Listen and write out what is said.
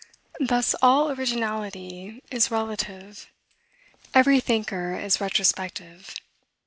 Thus, all originality is relative. Every thinker is retrospective.